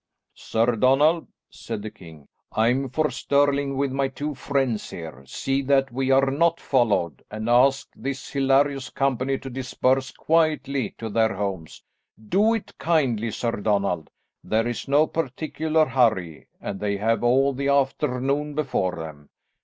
"Sir Donald," said the king, "I am for Stirling with my two friends here. See that we are not followed, and ask this hilarious company to disperse quietly to their homes. Do it kindly, Sir Donald. There is no particular hurry, and they have all the afternoon before them.